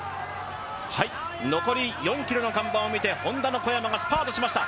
残り４ｋｍの看板を見て、Ｈｏｎｄａの小山がスパートをしました。